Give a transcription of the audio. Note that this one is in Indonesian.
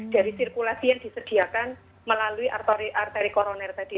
dari sirkulasi yang disediakan melalui arteri koroner tadi